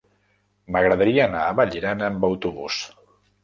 M'agradaria anar a Vallirana amb autobús.